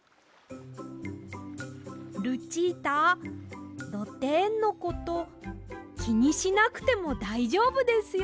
ルチータドテンのこときにしなくてもだいじょうぶですよ。